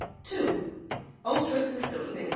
(2) Ultra Systems, Inc